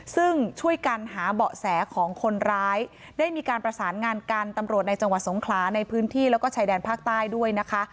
ซึ่งช่วยกันหาเบาะแสของคนร้ายได้มีการประสานงานกันตำรวจในจังหวัดสงขลาในพื้นที่แล้วก็ชายแดนภาคใต้ด้วยนะคะ